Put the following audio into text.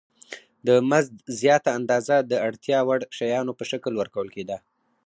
د مزد زیاته اندازه د اړتیا وړ شیانو په شکل ورکول کېده